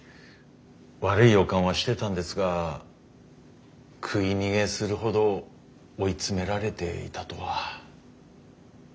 悪い予感はしてたんですが食い逃げするほど追い詰められていたとは。